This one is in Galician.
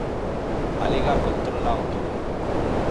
A Liga contrólao todo.